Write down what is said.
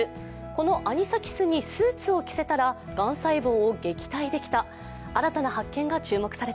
このアニサキスにスーツを着せたら、がん細胞を撃退できた。